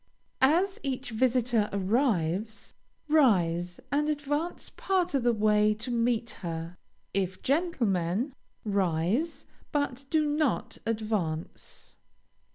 As each visitor arrives, rise, and advance part of the way to meet her. If gentlemen, rise, but do not advance.